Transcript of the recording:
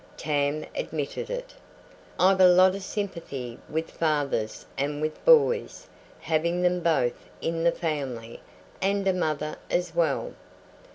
Tam admitted it. "I've a lot of sympathy with fathers and with boys, having them both in the family, and a mother as well."